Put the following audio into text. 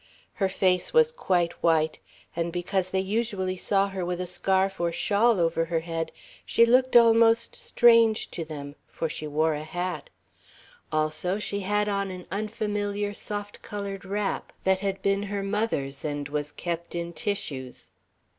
Her face was quite white, and because they usually saw her with a scarf or shawl over her head, she looked almost strange to them, for she wore a hat. Also she had on an unfamiliar soft coloured wrap that had been her mother's and was kept in tissues.